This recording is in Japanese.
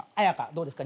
どうですか？